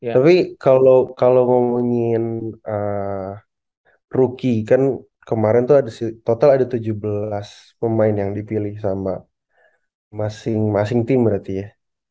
tapi kalau ngomongin rookie kan kemarin tuh ada total ada tujuh belas pemain yang dipilih sama masing masing tim berarti ya